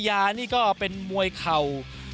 โอเคขอบคุณครับ